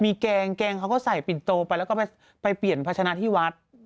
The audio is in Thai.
มีแกงแกงเขาก็ใส่ปิ่นโตไปแล้วก็ไปเปลี่ยนพัชนะที่วัด